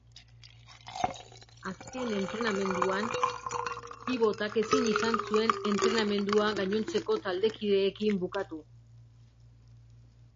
Azken entrenamenduan pibotak ezin izan zuen entrenamendua gainontzeko taldekideekin bukatu.